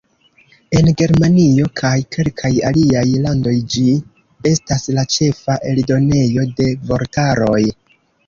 En Germanio kaj kelkaj aliaj landoj ĝi estas la ĉefa eldonejo de vortaroj.